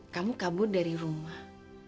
kamu kabur dari rumah